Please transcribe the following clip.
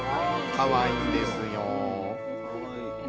かわいいんですよ。